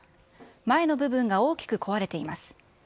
前の部分が大きく壊れています。